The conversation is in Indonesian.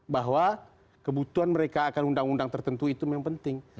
bahwa kebutuhan mereka akan undang undang tertentu itu memang penting